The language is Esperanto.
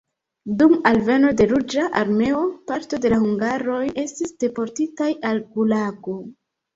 Dum alveno de Ruĝa Armeo parto de la hungaroj estis deportitaj al gulago.